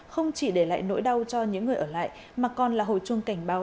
không chỉ để lại nỗi đau cho những người ở lại mà còn là hồi chuông cảnh báo